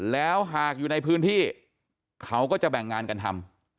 แล้วหากอยู่ในพื้นที่เขาก็จะแบ่งงานกันทำ